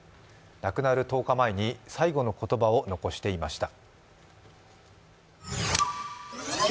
亡くなる１０日前に最期の言葉を残していました。